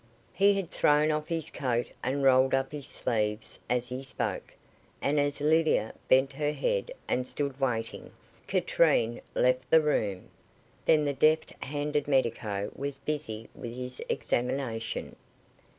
He had thrown off his coat and rolled up his sleeves as he spoke, and as Lydia bent her head and stood waiting, Katrine left the room. Then the deft handed medico was busy with his examination.